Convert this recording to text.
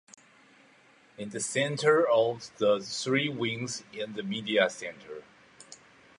In the center of the three wings in the Media Center.